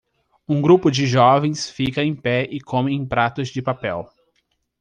Um grupo de jovens fica em pé e come em pratos de papel.